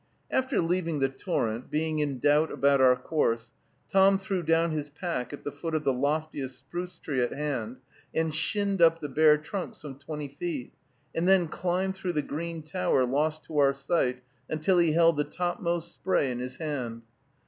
After leaving the torrent, being in doubt about our course, Tom threw down his pack at the foot of the loftiest spruce tree at hand, and shinned up the bare trunk some twenty feet, and then climbed through the green tower, lost to our sight, until he held the topmost spray in his hand.